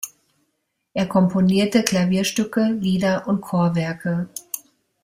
Er komponierte Klavierstücke, Lieder und Chorwerke.